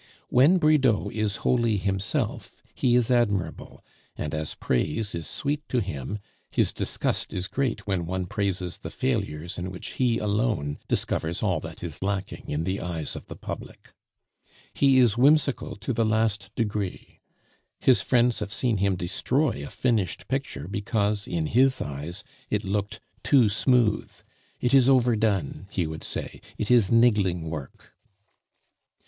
When Bridau is wholly himself he is admirable, and as praise is sweet to him, his disgust is great when one praises the failures in which he alone discovers all that is lacking in the eyes of the public. He is whimsical to the last degree. His friends have seen him destroy a finished picture because, in his eyes, it looked too smooth. "It is overdone," he would say; "it is niggling work."